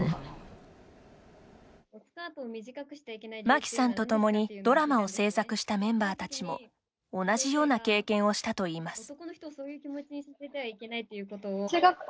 マキさんと共にドラマを制作したメンバーたちも同じような経験をしたといいます。